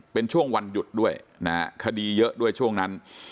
เป็นช่วงวันหยุดด้วยนะฮะคดีเยอะด้วยช่วงนั้น